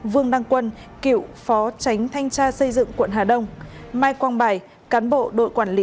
vương đăng quân cựu phó tránh thanh tra xây dựng quận hà đông mai quang bài cán bộ đội quản lý